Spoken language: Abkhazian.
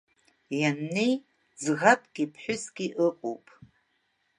Ианнеи, ӡӷабки ԥҳәыски ыҟоуп.